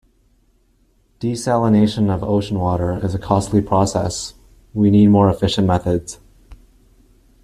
Desalination of ocean water is a costly process, we need more efficient methods.